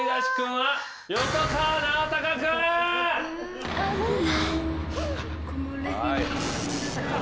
はい。